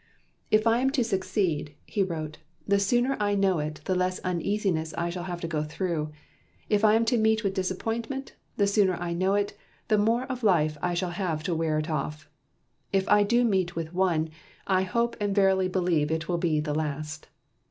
"If I am to succeed [he wrote], the sooner I know it the less uneasiness I shall have to go through. If I am to meet with disappointment, the sooner I know it, the more of life I shall have to wear it off; and if I do meet with one, I hope and verily believe it will be the last.